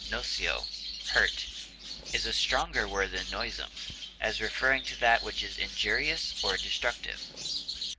noceo, hurt) is a stronger word than noisome, as referring to that which is injurious or destructive.